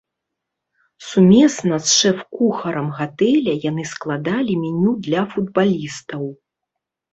Сумесна з шэф-кухарам гатэля яны складалі меню для футбалістаў.